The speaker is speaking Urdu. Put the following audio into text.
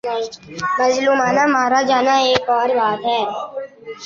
مظلومانہ مارا جانا ایک اور بات ہے۔